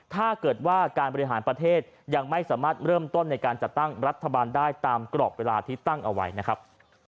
ถ้าเกิดว่าการบริหารประเทศยังไม่สามารถเริ่มต้นในการจัดตั้งรัฐบาลได้ตามกรอบเวลาที่ตั้งเอาไว้นะครับ